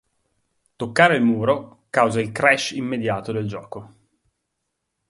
Toccare il muro causa il "crash" immediato del gioco.